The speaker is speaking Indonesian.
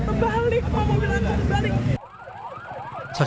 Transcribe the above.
terbalik mau mobil aku